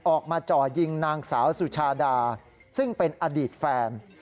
จ่อยิงนางสาวสุชาดาซึ่งเป็นอดีตแฟน